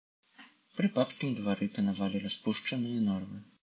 Пры папскім двары панавалі распушчаныя норавы.